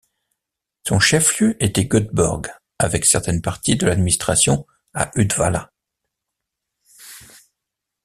Son chef-lieu était Göteborg, avec certaines parties de l'administration à Uddevalla.